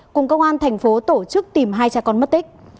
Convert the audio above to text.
cùng công an thành phố tổ chức tìm hai cha con mất tích